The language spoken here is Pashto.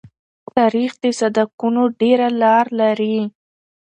تاریخ د صدقونو ډېره لار لري.